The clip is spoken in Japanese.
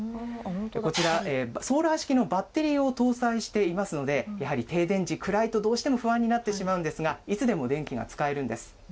こちら、ソーラー式のバッテリーを搭載していますので、やはり停電時、暗いとどうしても不安になってしまうんですが、いつでも電気が使えるんです。